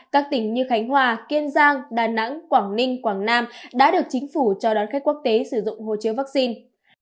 các tỉnh như khánh hòa kiên giang đà nẵng quảng ninh quảng nam đã được chính phủ cho đón khách quốc tế sử dụng hô chứa vaccine